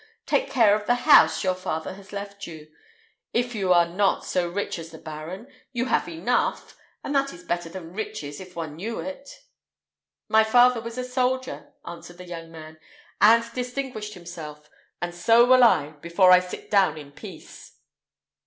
Take care of the house your father has left you. If you are not so rich as the baron, you have enough, and that is better than riches, if one knew it." "My father was a soldier," answered the young man, "and distinguished himself; and so will I, before I sit down in peace."